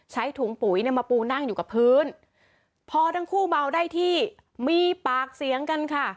ใช้ถุงปุ๋ยเนี่ยมาปูนั่งอยู่กับพื้นพอทั้งคู่เมาได้ที่มีปากเสียงกันค่ะ